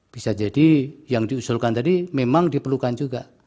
bisa jadi yang diusulkan tadi memang diperlukan juga